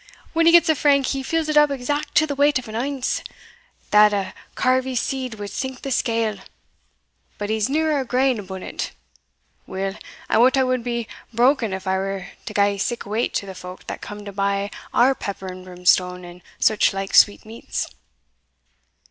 When he gets a frank he fills it up exact to the weight of an unce, that a carvy seed would sink the scale but he's neer a grain abune it. Weel I wot I wad be broken if I were to gie sic weight to the folk that come to buy our pepper and brimstone, and suchlike sweetmeats."